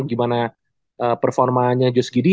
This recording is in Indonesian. gimana performanya josh giddey